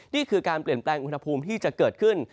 นี่คือการเปลี่ยนแปลงอุณหภูมิที่จะเกิดขึ้น